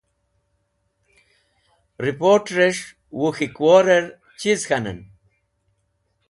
Riport̃ẽrẽs̃h wuk̃hikworẽr chiz k̃hanẽn?